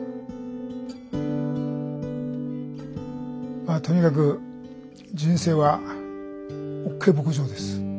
まあとにかく人生はＯＫ牧場です。